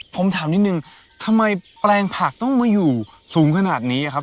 ผมถามนิดนึงทำไมแปลงผักต้องมาอยู่สูงขนาดนี้ครับ